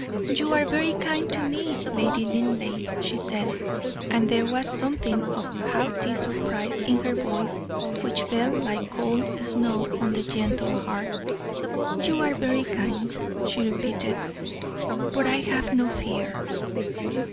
"You are very kind to me, Lady Linleigh," she said; and there was something of haughty surprise in her voice which fell like cold snow on the gentle heart. "You are very kind," she repeated, "but I have no fear."